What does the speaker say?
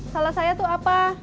salah saya tuh apa